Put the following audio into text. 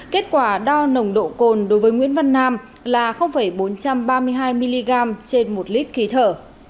kết quả đo nồng độ cồn đối với nguyễn văn nam là bốn trăm ba mươi hai mg trên một lít khí thở